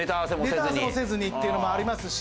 ネタ合わせもせずにっていうのもありますし。